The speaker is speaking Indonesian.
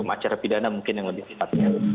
acer pidana mungkin yang lebih penting